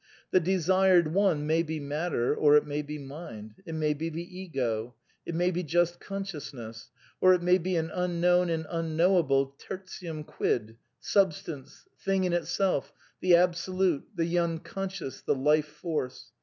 The desired One may be matter, or it may be mind ; it may be the Ego ; it may be just Con sciousness; or it may be an unknown and unknowable tertium quid. Substance, Thing in Itself, the Absolute, the Unconscious, the Life Force.